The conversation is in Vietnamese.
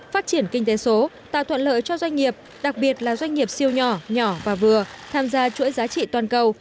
phát triển kinh tế số tạo thuận lợi cho doanh nghiệp đặc biệt là doanh nghiệp siêu nhỏ nhỏ và vừa tham gia chuỗi giá trị toàn cầu